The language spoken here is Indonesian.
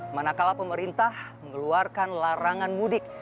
manakala pemerintah mengeluarkan larangan mudik